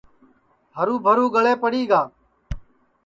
ہرُو بھرو گݪے پڑی گا